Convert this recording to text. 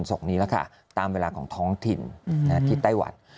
ศพนี้แล้วค่ะตามเวลาของท้องถิ่นที่ไต้หวัน